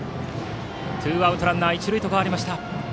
ツーアウトランナー、一塁と変わりました。